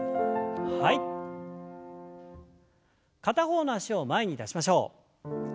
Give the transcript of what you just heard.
片方の脚を前に出しましょう。